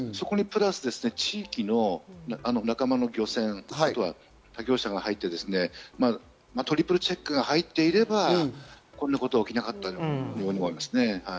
そこに地域の仲間の漁船、他業者が入ってトリプルチェックが入っていれば、こんなことは起きなかったというふうに思います。